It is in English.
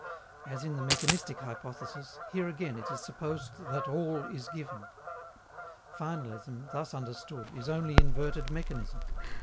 As in the mechanistic hypothesis, here again it is supposed that all is given. Finalism thus understood is only inverted mechanism.